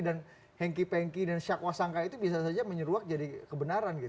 dan hengkih pengkih dan syakwa sangka itu bisa saja menyeruak jadi kebenaran